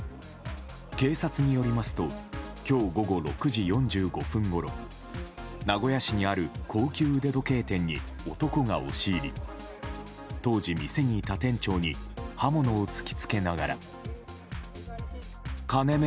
警察によりますと今日午後６時４５分ごろ名古屋市にある高級腕時計店に男が押し入り当時、店にいた店長に刃物を突き付けながら。